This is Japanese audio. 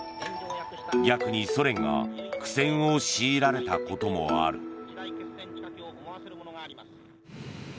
逆に、ソ連が苦戦を強いられたこともある。